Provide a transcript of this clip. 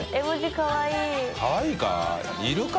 かわいいか？